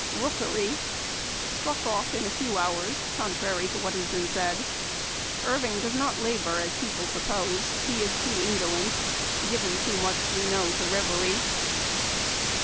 " Rookery. — Struck off in a few hours, con trary to what has been said. Irving does not labor as people suppose ; he is too indolent ; given too much, we know, to reverie.